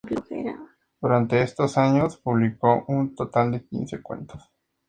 Durante estos años publicó un total de quince cuentos.